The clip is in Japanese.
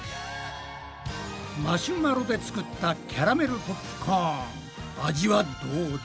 マシュマロで作ったキャラメルポップコーン味はどうだ？